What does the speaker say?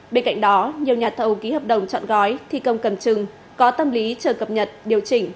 bên cạnh đó nhiều nhà thầu ký hợp đồng chọn gói thi công cầm chừng có tâm lý chờ cập nhật điều chỉnh